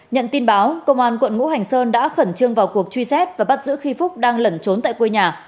nhận tin báo công an quận ngũ hành sơn đã khẩn trương vào cuộc truy xét và bắt giữ khi phúc đang lẩn trốn tại quê nhà